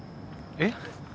えっ？